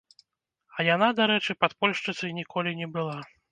А яна, дарэчы, падпольшчыцай ніколі не была!